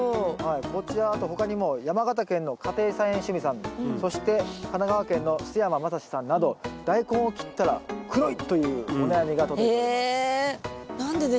こちらあと他にも山形県の家庭菜園趣味さんそして神奈川県の須山正志さんなどダイコンを切ったら黒いというお悩みが届いております。